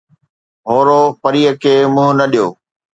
هورو پريءَ کي منهن نه ڏيو